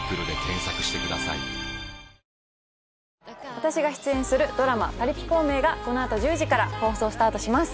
私が出演するドラマ『パリピ孔明』がこの後１０時から放送スタートします。